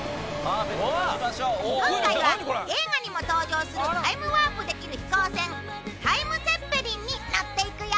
今回は映画にも登場するタイムワープできる飛行船タイムツェッペリンに乗っていくよ！